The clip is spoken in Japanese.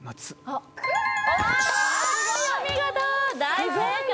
はいお見事大正解！